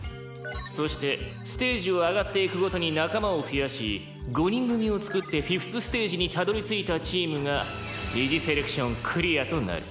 そしてステージを上がっていくごとに仲間を増やし５人組を作って５ｔｈステージにたどり着いたチームが二次セレクションクリアとなる。